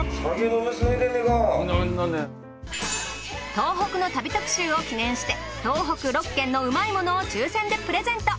東北の旅特集を記念して東北６県のうまいものを抽選でプレゼント。